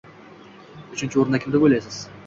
Uchinchi o‘rinda kim deb o‘ylaysiz?